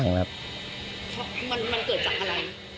มันเกิดจากอะไร